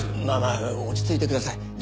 まあまあ落ち着いてください。